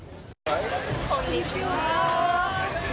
こんにちは。